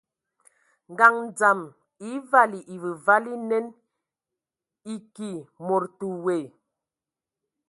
Ngaɲ dzam e vali evǝvali nen, eki mod te woe,